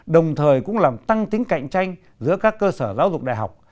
đồng thời cũng làm tăng tính cạnh tranh giữa các cơ sở giáo dục đại học